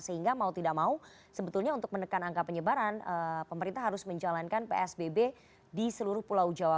sehingga mau tidak mau sebetulnya untuk menekan angka penyebaran pemerintah harus menjalankan psbb di seluruh pulau jawa